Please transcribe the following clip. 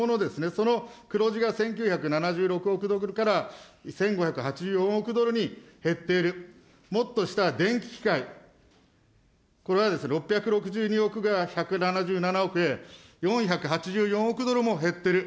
その黒字が１９７６億ドルから１５８４億ドルに減っている、もっと下、電気機械、これは６６２億が１７７億円、４８４億ドルも減ってる。